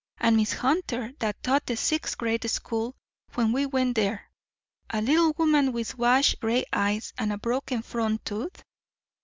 And Miss Hunter that taught the sixth grade school when we went there a little woman with washed out gray eyes and a broken front tooth?